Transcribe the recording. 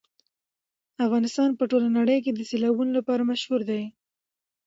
افغانستان په ټوله نړۍ کې د سیلابونو لپاره مشهور دی.